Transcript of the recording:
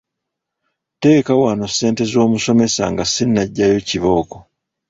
Teeka wano ssente z'omusomesa nga sinnaggyayo kibooko.